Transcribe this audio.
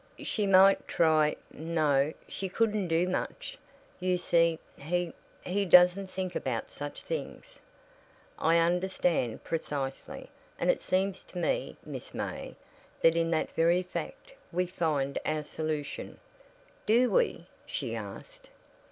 "She might try no, she couldn't do much. You see, he he doesn't think about such things." "I understand precisely. And it seems to me, Miss May, that in that very fact we find our solution." "Do we?" she asked.